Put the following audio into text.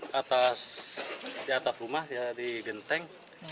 di atas di atap rumah di genteng